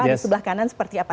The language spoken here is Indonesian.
di sebelah kanan seperti apa